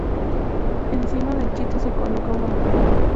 Encima del chito se coloca una moneda.